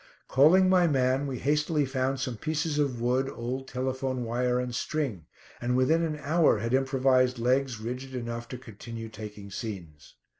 Calling my man, we hastily found some pieces of wood, old telephone wire and string, and within an hour had improvised legs, rigid enough to continue taking scenes.